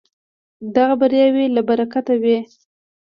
دغه بریاوې له برکته وې.